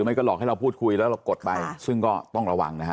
ไม่จริงแล้วก็ไม่ถูกต้อง